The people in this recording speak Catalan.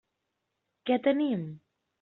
Què tenim?